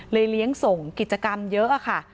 เลี้ยงส่งกิจกรรมเยอะค่ะ